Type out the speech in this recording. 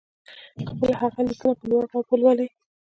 خپله هغه ليکنه په لوړ غږ ولولئ.